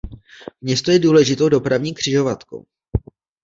Město je důležitou dopravní křižovatkou.